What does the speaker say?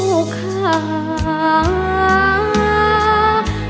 หลวงพ่อเจ้าข้า